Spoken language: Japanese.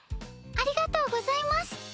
ありがとうございます。